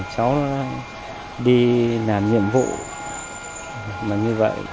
cháu đi làm nhiệm vụ mà như vậy